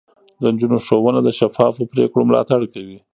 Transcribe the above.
د نجونو ښوونه د شفافو پرېکړو ملاتړ کوي.